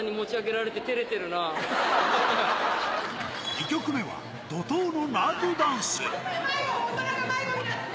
２曲目は怒涛のナートゥダンス。